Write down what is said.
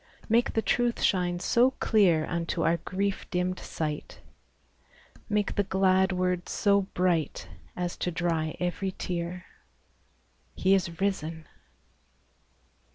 Make the truth shine so clear Unto our grief dimmed sight, Make the glad word so bright, As to dry every tear :" He is risen